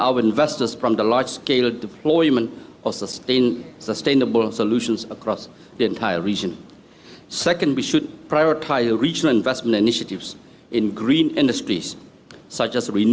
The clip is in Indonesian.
untuk itu perlu diperhatikan